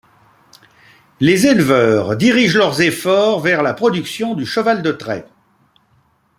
Les éleveurs dirigent leurs efforts vers la production du cheval de trait.